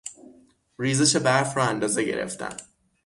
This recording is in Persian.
ریزش برف را اندازه گرفتن